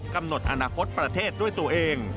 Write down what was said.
กำหนดอนาคตประเทศด้วยตัวเอง